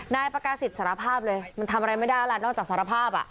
นายประกาศิษย์สารภาพเลยมันทำอะไรไม่ได้แล้วล่ะนอกจากสารภาพอ่ะ